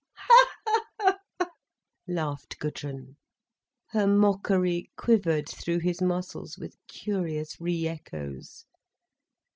"Ha—ha—ha!" laughed Gudrun. Her mockery quivered through his muscles with curious re echoes.